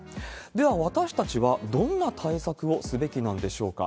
では、私たちはどんな対策をすべきなんでしょうか。